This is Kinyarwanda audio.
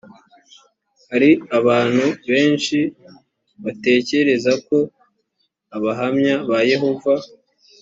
hari abantu benshi batekereza ko abahamya ba yehova